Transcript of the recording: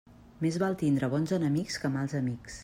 Més val tindre bons enemics que mals amics.